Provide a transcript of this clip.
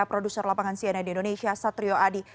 produser lapangan siena di indonesia satrio adi